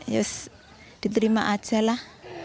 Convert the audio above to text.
ya diterima aja lah